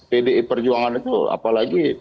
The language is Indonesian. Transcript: pdi perjuangan itu apalagi